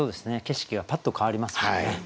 景色がパッと変わりますからね。